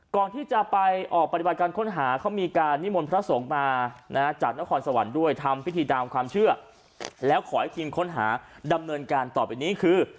ก่อนที่จะไปออกปฏิบัติการค้นหาเขามีการนิมนต์พระสงฆ์มาจากนครสวรรค์ด้วยทำพิธีตามความเชื่อแล้วขอให้ทีมค้นหาดำเนินการต่อไปนี้คือ